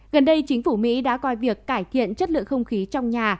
gần đây chính phủ mỹ đã coi việc cải thiện chất lượng không khí trong nhà